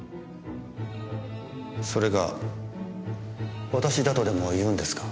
それが私だとでも言うんですか？